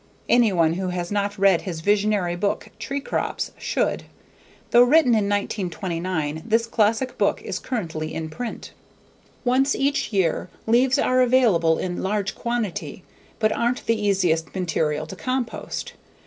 Anyone who has not read his visionary book, _Tree Crops, _should. Though written in 1929, this classic book is currently in print. Once each year, leaves are available in large quantity, but aren't the easiest material to compost.